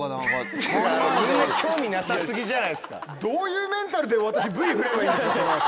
どういうメンタルで私ＶＴＲふればいいんですか？